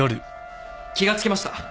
気が付きました。